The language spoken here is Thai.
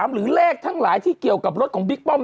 หรือเลขทั้งหลายที่เกี่ยวกับรถของบิ๊กป้อม